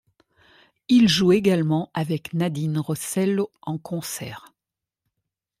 Il joue également avec Nadine Rossello en concert.